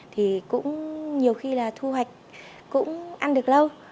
thì cũng nhiều khi là thu hoạch cũng ăn được lâu